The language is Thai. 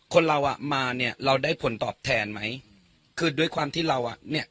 คนเราอ่ะมาเนี่ยเราได้ผลตอบแทนไหมคือด้วยความที่เราอ่ะเนี่ย